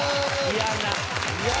嫌な。